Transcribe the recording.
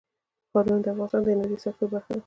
ښارونه د افغانستان د انرژۍ سکتور برخه ده.